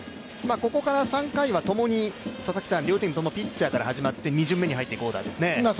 ここから３回はともに両チームともピッチャーから始まって２巡目に入っていくオーダーですね